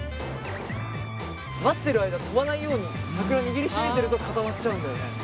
待ってる間飛ばないように桜握りしめてると固まっちゃうんだよね。